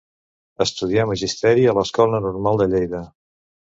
Estudià Magisteri a l'Escola Normal de Lleida.